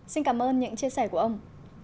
xin cảm ơn những chia sẻ của ông